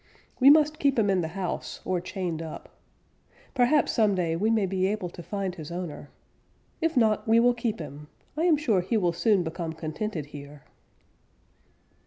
We must keep him in the house or chained up. Perhaps some day we may be able to find his owner. If not, we will keep him. I am sure he will soon become contented here."